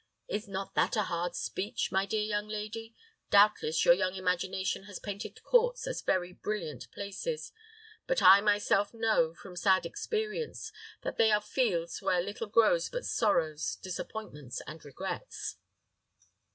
Is not that a hard speech, my dear young lady? Doubtless, your young imagination has painted courts as very brilliant places; but I myself know, from sad experience, that they are fields where little grows but sorrows, disappointments, and regrets."